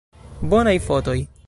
Bonaj fotoj!